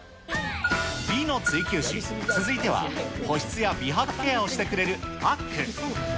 美の追求史、続いては、保湿や美白ケアをしてくれるパック。